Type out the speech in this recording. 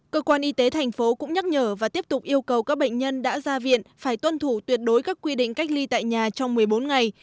cơ quan y tế thành phố cũng nhắc nhở và tiếp tục yêu cầu các bệnh nhân đã ra viện phải tuân thủ tuyệt đối các quy định cách ly tại nhà trong một mươi bốn ngày